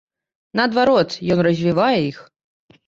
Наадварот, ён развівае іх.